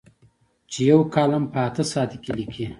چې یو کالم په اته ساعته کې لیکي.